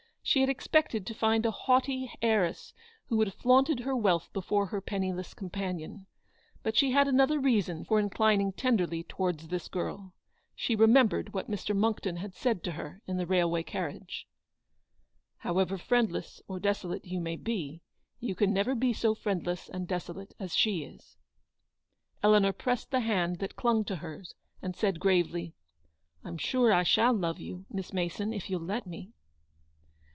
She had expected to find a haughty heiress who would have flaunted her wealth before her penniless companion. But she had another reason for inclining tenderly towards this girl. She re 254 Eleanor's victory. membered what Mr. Monckton had said to her in the railway carriage. " However friendless or desolate you may be, you can never be so friendless and desolate as she is." Eleanor pressed the hand that clung to hers, and said, gravely : "I'm sure I shall love you, Miss Mason, if you'll let me."